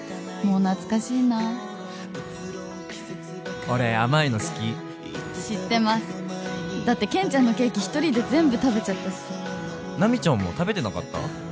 もう懐かしいな俺甘いの好き知ってますだって健ちゃんのケーキ一人で全部食べちゃったし奈未ちゃんも食べてなかった？